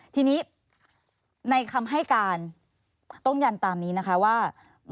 ทีนี้ในคำให้การต้องยันตามนี้นะคะว่า